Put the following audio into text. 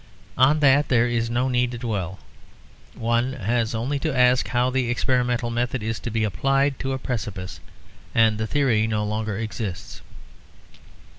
On that there is no need to dwell; one has only to ask how the experimental method is to be applied to a precipice; and the theory no longer exists.